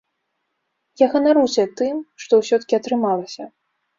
Я ганаруся тым, што ўсё-ткі атрымалася.